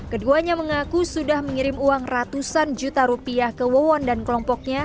keduanya mengaku sudah mengirim uang ratusan juta rupiah ke wawon dan kelompoknya